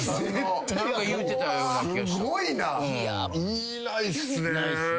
いないっすね。